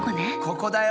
ここだよ！